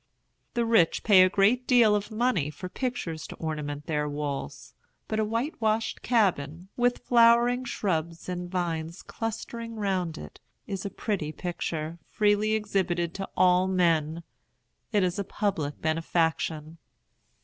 The rich pay a great deal of money for pictures to ornament their walls, but a whitewashed cabin, with flowering shrubs and vines clustering round it, is a pretty picture freely exhibited to all men. It is a public benefaction.